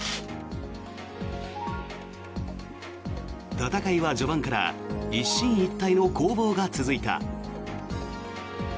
戦いは序盤から一進一退の攻防が続いた。